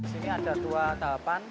di sini ada dua tahapan